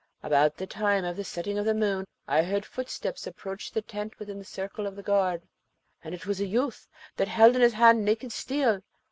About the time of the setting of the moon I heard footsteps approach the tent within the circle of the guard, and it was a youth that held in his hand naked steel.